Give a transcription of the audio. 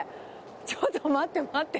ちょっと待って待って。